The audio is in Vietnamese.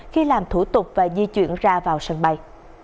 khi làm thủ tục và di chuyển ra vào sân bay